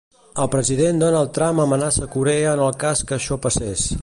El president Donald Trump amenaça Corea en el cas que això passés.